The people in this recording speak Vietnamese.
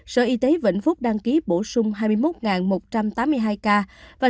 sở y tế vĩnh phúc đăng ký bổ sung hai mươi một một trăm tám mươi hai ca và